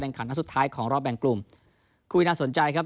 แด่งขันทั้งสุดท้ายของรอบแบ่งกลุ่มคุณวินาศสนใจครับ